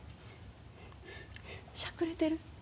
しゃくれてる。